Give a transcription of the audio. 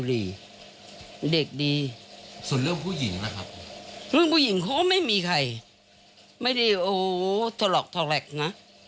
เรื่องผู้หญิงเขาก็ไม่มีใครไม่ได้โอ้ถลอกทอแล็กนะ